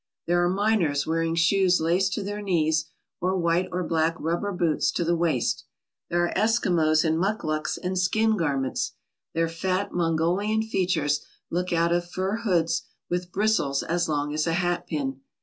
There are miners wearing shoes laced to their knees, or white or black rubber boots to the waist. There are Eskimos in mukluks and skin garments. Their fat Mongolian features look out of fur hoods with bristles as long as a hat pin.